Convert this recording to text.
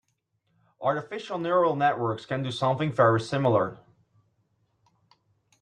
Artificial neural networks can do something very similar.